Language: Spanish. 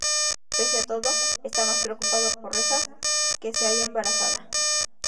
Pese a todo, está más preocupado por Resa, que se halla embarazada.